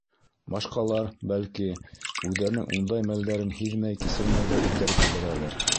Башҡалар, бәлки, үҙҙәренең ундай мәлдәрен һиҙмәй-кисермәй ҙә үткәреп ебәрәлер.